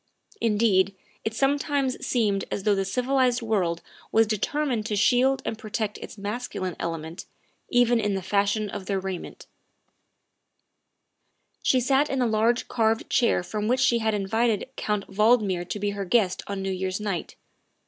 Indeed, it sometimes seems as though the civilized world were determined to shield and pro tect its masculine element, even in the fashion of their raiment. 264 THE WIFE OF She sat in the large, carved chair from which she had invited Count Valdmir to be her guest on New Year 's night.